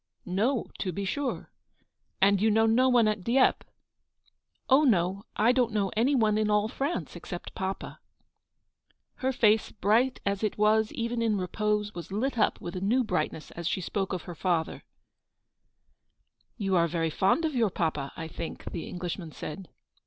" No, to be sure ; and you know no one at Dieppe?" " Oh, no, I don't know any one in all France, except papa." Her face, bright as it was even in repose, was lit up with a new brightness as she spoke of her father. 8 ELEANOR'S VICTORY. " You are very fond of your papa, I think," the Englishman said.